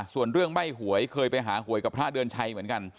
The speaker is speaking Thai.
ส่วนเรื่องใบ้หวยเคยไปหาหวยกับพระเดือนชัยเหมือนกัน